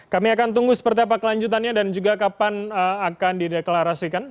kami akan tunggu seperti apa kelanjutannya dan juga kapan akan dideklarasikan